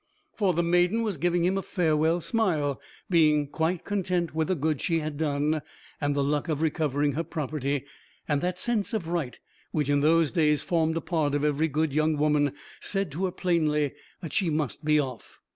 For the maiden was giving him a farewell smile, being quite content with the good she had done, and the luck of recovering her property; and that sense of right which in those days formed a part of every good young woman said to her plainly that she must be off.